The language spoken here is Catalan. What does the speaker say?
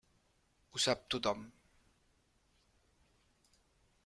Ho sap tothom.